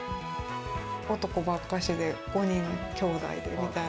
男ばっかしで、５人きょうだいでみたいな。